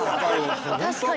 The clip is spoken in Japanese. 確かに。